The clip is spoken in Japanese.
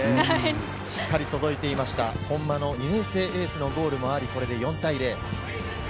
しっかり届いていました、本間２年生エースのゴールもあり、４対０。